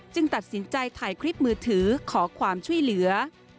ตัดสินใจถ่ายคลิปมือถือขอความช่วยเหลือ